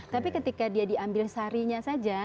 tapi ketika dia diambil sarinya saja